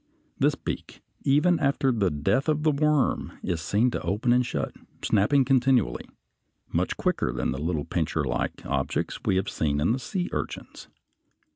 This beak, even after the death of the worm, is seen to open and shut, snapping continually, much quicker than the little pincerlike objects we have seen in the sea urchins.